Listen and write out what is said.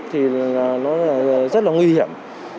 thì nó rất là nguy hiểm